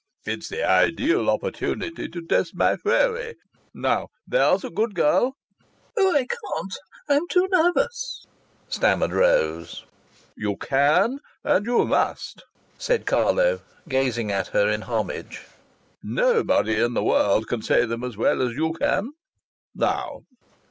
It's the ideal opportunity to test my theory. Now, there's a good girl!" "Oh! I can't. I'm too nervous," stammered Rose. "You can, and you must," said Carlo, gazing at her in homage. "Nobody in the world can say them as well as you can. Now!"